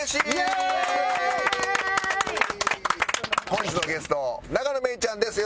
本日のゲスト永野芽郁ちゃんです。